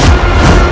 kau akan dihukum